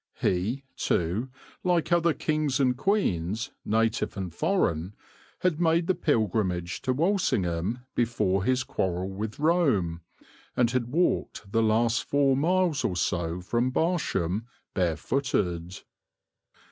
He, too, like other kings and queens, native and foreign, had made the pilgrimage to Walsingham before his quarrel with Rome, and had walked the last four miles or so, from Barsham, barefooted.